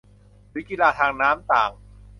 หรือกีฬาทางน้ำต่าง